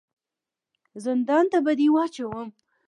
زندان ته به دي واچوم !